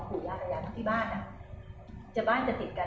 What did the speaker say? หรือเป็นอะไรที่คุณต้องการให้ดู